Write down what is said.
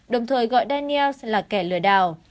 đồng thời gọi daniels là kẻ lừa đảo